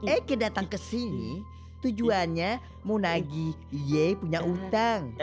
eke datang ke sini tujuannya mau nagih iye punya utang